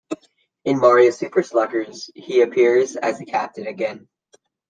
In "Mario Super Sluggers", he appears as a captain again.